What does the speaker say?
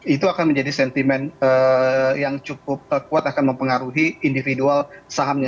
itu akan menjadi sentimen yang cukup kuat akan mempengaruhi individual sahamnya